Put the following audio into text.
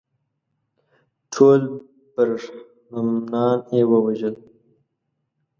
ټول برهمنان یې ووژل.